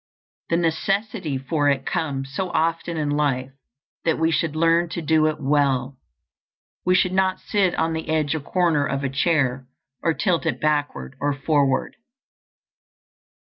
The necessity for it comes so often in life that we should learn to do it well. We should not sit on the edge or corner of a chair, or tilt it backward or forward.